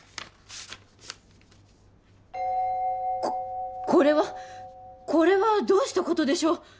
こっこれはこれはどうしたことでしょう！